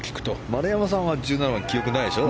丸山さんは１７番、記憶ないでしょ。